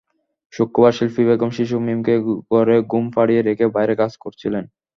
শুক্রবার শিল্পী বেগম শিশু মীমকে ঘরে ঘুম পাড়িয়ে রেখে বাইরে কাজ করছিলেন।